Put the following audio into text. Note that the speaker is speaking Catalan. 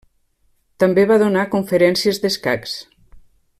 També va donar conferències d'escacs.